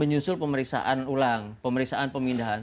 menyusul pemeriksaan ulang pemeriksaan pemindahan